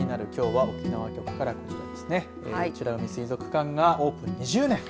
美ら海水族館がオープン２０年。